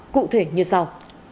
cụ thể như sau